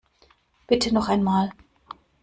Bitte noch einmal!